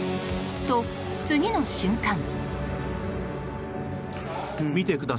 と、次の瞬間。